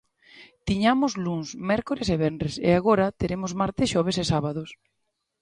Tiñamos luns, mércores e venres, e agora teremos martes, xoves e sábados.